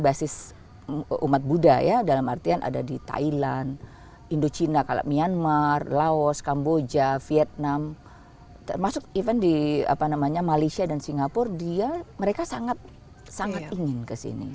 basis umat buddha ya dalam artian ada di thailand indochina myanmar laos kamboja vietnam termasuk even di malaysia dan singapura dia mereka sangat ingin kesini